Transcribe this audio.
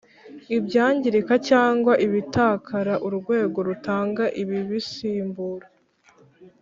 ibyangirika cyangwa ibitakara urwego rutanga ibibisimbura